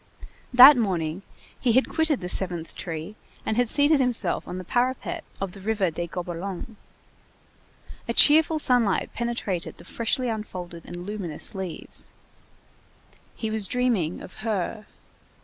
That morning he had quitted the seventh tree and had seated himself on the parapet of the River des Gobelins. A cheerful sunlight penetrated the freshly unfolded and luminous leaves. He was dreaming of "Her."